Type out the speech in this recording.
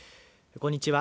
こんにちは。